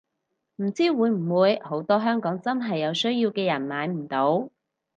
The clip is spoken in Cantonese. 唔知會唔會好多香港真係有需要嘅人買唔到